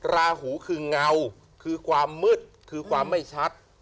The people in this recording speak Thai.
ราหูคือเงาคือความมืดคือความไม่ชัด